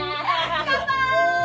乾杯！